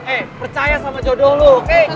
eh percaya sama jodoh lo